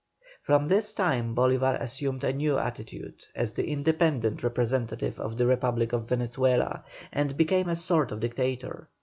From this time Bolívar assumed a new attitude, as the independent representative of the Republic of Venezuela, and became a sort of Dictator.